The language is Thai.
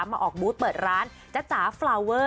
มาออกบูธเปิดร้านจ๊ะจ๋าฟาวเวอร์